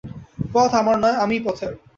পথ আমার নয়, আমিই পথের।